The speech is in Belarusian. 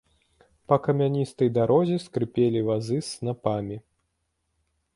Па камяністай дарозе скрыпелі вазы з снапамі.